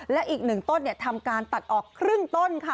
และอีก๑ต้นทำการตัดออกครึ่งต้นค่ะ